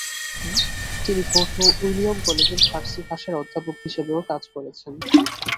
তিনি Fort William কলেজের ফার্সি ভাষার অধ্যাপক হিসাবেও কাজ করেছেন।